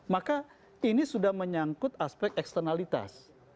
maka ini sudah menyangkut aspek eksternalitas